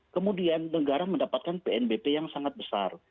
kemudian negara mendapatkan pnbp yang sangat besar